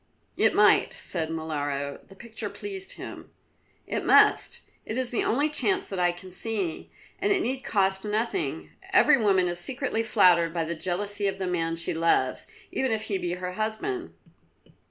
"It might," said Molara. The picture pleased him. "It must. It is the only chance that I can see, and it need cost you nothing. Every woman is secretly flattered by the jealousy of the man she loves, even if he be her husband."